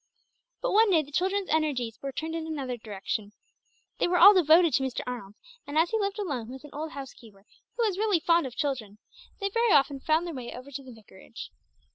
But one day the children's energies were turned in another direction. They were all devoted to Mr. Arnold, and as he lived alone with an old housekeeper who was really fond of children, they very often found their way over to the vicarage.